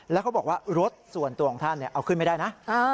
แล้วเขาบอกว่ารถส่วนตัวของท่านเอาขึ้นไม่ได้นะ